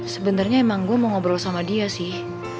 sebenarnya emang gue mau ngobrol sama dia sih